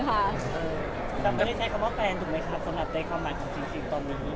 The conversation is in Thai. เออแต่ไม่ได้ใช้คำว่าแฟนถูกไหมครับสำหรับได้คำหมายของจริงจริงตอนนี้